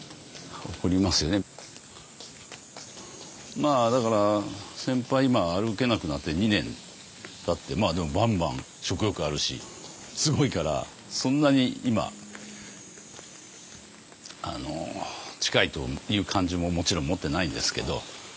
まあだからセンパイ今歩けなくなって２年たってでもバンバン食欲あるしすごいからそんなに今あの近いという感じももちろん持ってないんですけど。